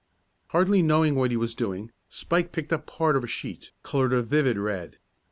Hardly knowing what he was doing, Spike picked up part of a sheet, colored a vivid red.